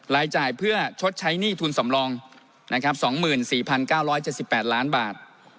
รายจ่ายเพื่อชดใช้หนี้ทุนสำรอง๒๔๙๗๘ล้านบาท